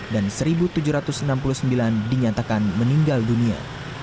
dan satu tujuh ratus enam puluh sembilan dinyatakan meninggal dunia